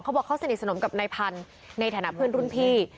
บอกเขาสนิทสนมกับนายพันธุ์ในฐานะเพื่อนรุ่นพี่